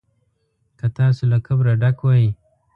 که تاسو له کبره ډک وئ.